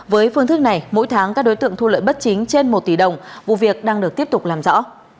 với phương thức này mỗi tháng các đối tượng thu lợi bất chính trên một tỷ đồng vụ việc đang được tiếp tục làm rõ